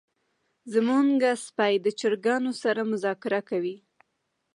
زمونږ سپی د چرګانو سره مذاکره کوي.